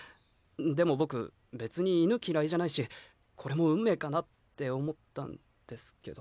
でも僕別に犬嫌いじゃないしこれも運命かなって思ったんですけど。